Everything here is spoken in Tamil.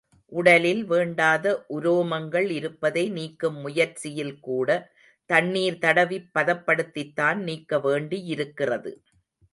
உடலில் வேண்டாத உரோமங்கள் இருப்பதை நீக்கும் முயற்சியில்கூட தண்ணீர் தடவிப் பதப்படுத்தித்தான் நீக்க வேண்டியிருக்கிறது.